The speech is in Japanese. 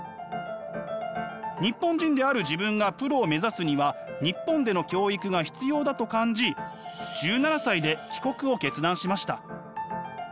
日本人である自分がプロを目指すには日本での教育が必要だと感じ１７歳で帰国を決断しました。